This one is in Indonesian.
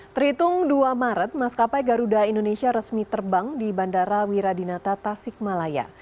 terhitung dua maret maskapai garuda indonesia resmi terbang di bandara wiradinata tasik malaya